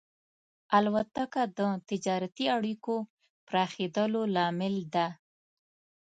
الوتکه د تجارتي اړیکو پراخېدلو لامل ده.